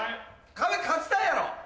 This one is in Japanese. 『壁』勝ちたいやろ？